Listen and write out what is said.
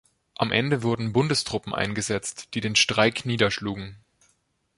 Am Ende wurden Bundestruppen eingesetzt, die den Streik niederschlugen.